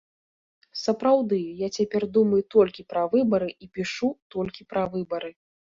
Сапраўды, я цяпер думаю толькі пра выбары і пішу толькі пра выбары.